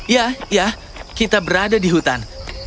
ya ya kita berada di hutan